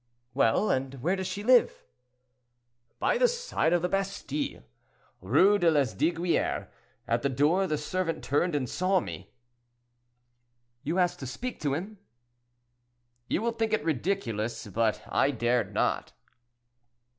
"Well, and where does she live?" "By the side of the Bastille, Rue de Lesdiguieres. At the door, the servant turned and saw me." "You asked to speak to him?" "You will think it ridiculous, but I dared not."